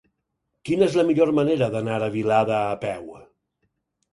Quina és la millor manera d'anar a Vilada a peu?